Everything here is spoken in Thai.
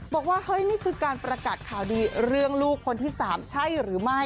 บอกว่าเฮ้ยนี่คือการประกาศข่าวดีเรื่องลูกคนที่๓ใช่หรือไม่